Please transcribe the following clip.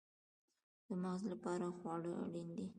د مغز لپاره خواړه اړین دي